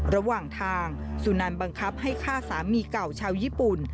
ระหว่างทางสุนันบังคับให้ฆ่าสามีเก่าชาวญี่ปุ่น